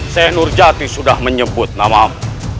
seh nurjati sudah menyebut nama aku